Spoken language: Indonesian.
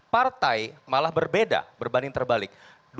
partai malah berbeda berbanding terbalik